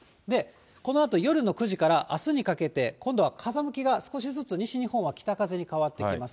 このあと、夜の９時からあすにかけて、今度は風向きが少しずつ西日本は北風に変わってきます。